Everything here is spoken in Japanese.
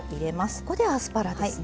ここでアスパラですね。